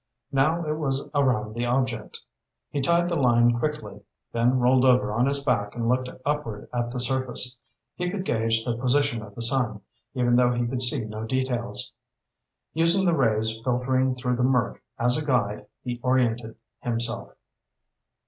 Now it was around the object. He tied the line quickly, then rolled over on his back and looked upward at the surface. He could gauge the position of the sun, even though he could see no details. Using the rays filtering through the murk as a guide, he oriented himself.